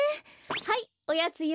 はいおやつよ。